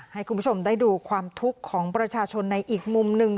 ให้คุณผู้ชมได้ดูความทุกข์ของประชาชนในอีกมุมหนึ่ง